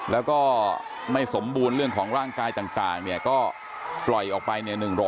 แล้วก็ไม่สมบูรณ์เรื่องของร่างกายต่างก็ปล่อยออกไป